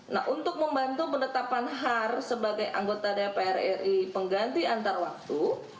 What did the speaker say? nah untuk membantu penetapan har sebagai anggota dpr ri pengganti antar waktu